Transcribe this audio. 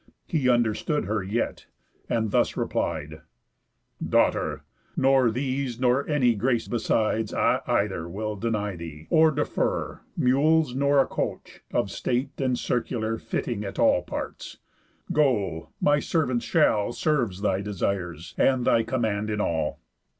He understood her yet, and thus replied: "Daughter! nor these, nor any grace beside, I either will deny thee, or defer, Mules, nor a coach, of state and circular, Fitting at all parts. Go, my servants shall Serves thy desires, and thy command in all."